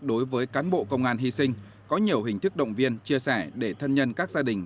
đối với cán bộ công an hy sinh có nhiều hình thức động viên chia sẻ để thân nhân các gia đình